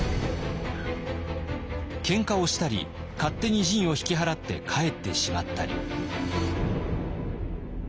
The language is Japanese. けんかをしたり勝手に陣を引き払って帰ってしまったり。